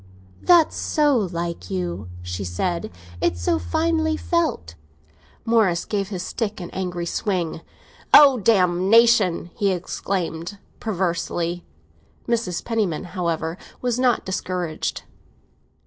"That's so like you," she said; "it's so finely felt." Morris gave his stick an angry swing. "Oh, botheration!" he exclaimed perversely. Mrs. Penniman, however, was not discouraged.